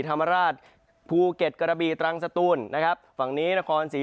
ธรรมราชภูเก็ตกระบีตรังสตูนนะครับฝั่งนี้นครศรี